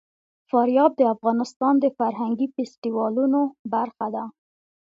فاریاب د افغانستان د فرهنګي فستیوالونو برخه ده.